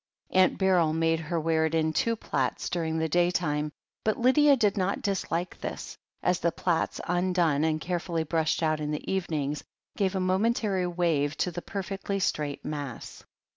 Aunt Beryl made her wear it in two plaits, dur ing the day time, but Lydia did not dislike this ; as the plaits undone and carefully brushed out in the evenings, gave a momentary wave to the perfectly straight mass.